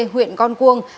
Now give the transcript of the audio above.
huyện con cuông